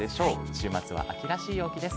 週末は秋らしい陽気です。